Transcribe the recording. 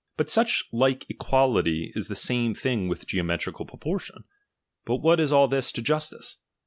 But such like equality is the same thing with geometrical proportion. But what is all this to justice